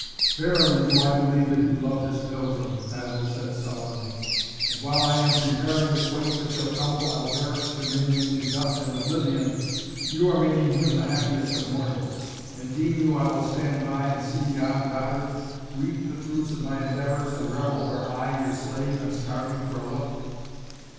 "Verily I do believe that you love this pilgrim," Basil said sullenly. "And while I am preparing the quake that shall tumble Alberic's dominion into dust and oblivion, you are making him the happiest of mortals. And deem you I will stand by and see yon dotard reap the fruits of my endeavors and revel where I, your slave, am starving for a look?"